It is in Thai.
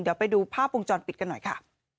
เดี๋ยวไปดูภาพวงจรปิดกันหน่อยค่ะ